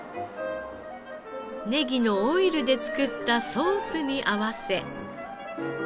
ネギのオイルで作ったソースに合わせ。